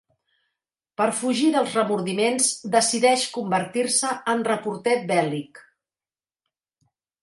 Per fugir dels remordiments, decideix convertir-se en reporter bèl·lic.